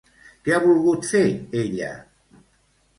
Què ha volgut fer ella?